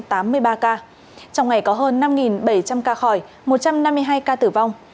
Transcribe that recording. trong ngày có hơn năm bảy trăm linh ca khỏi một trăm năm mươi hai ca tử vong